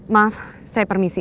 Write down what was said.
maaf saya permisi